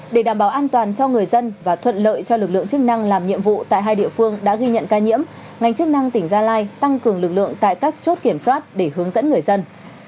để đảm bảo an toàn cho người dân và thuận lợi cho lực lượng chức năng làm nhiệm vụ tại hai địa phương đã ghi nhận ca nhiễm ngành chức năng tỉnh gia lai tăng cường lực lượng tại các chốt kiểm soát để hướng dẫn người dân